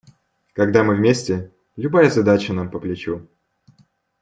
Когда мы вместе, любая задача нам по плечу.